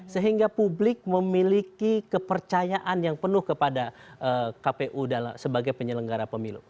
sehingga publik memiliki kepercayaan yang penuh kepada kpu sebagai penyelenggara pemilu